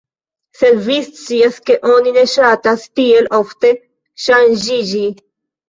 Sed vi scias ke oni ne ŝatas tiel ofte ŝanĝiĝi.